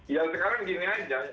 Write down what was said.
ya sekarang gini aja